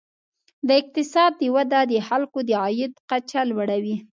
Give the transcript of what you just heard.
د اقتصاد وده د خلکو د عاید کچه لوړوي.